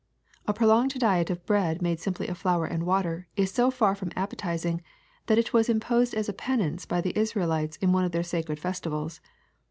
A prolonged diet of bread made simply of flour and water is so far from ap petizing that it was imposed as a penance by the Israelites in one of their sacred festivals.